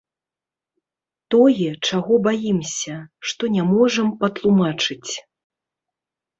Тое, чаго баімся, што не можам патлумачыць.